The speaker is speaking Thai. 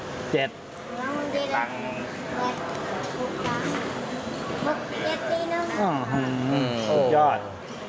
อื้อฮือยอด